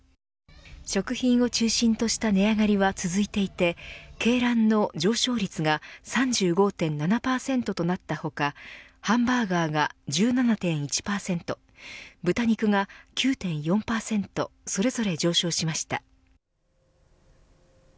食品を中心とした値上がりは続いていて鶏卵の上昇率が３５．７％となった他ハンバーガーが１７．１％豚肉が９．４％それぞれ上昇しました。